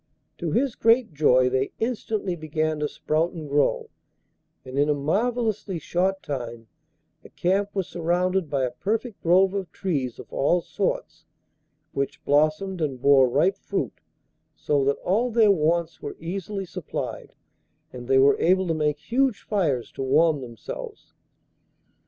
To his great joy they instantly began to sprout and grow, and in a marvellously short time the camp was surrounded by a perfect grove of trees of all sorts, which blossomed and bore ripe fruit, so that all their wants were easily supplied, and they were able to make huge fires to warm themselves.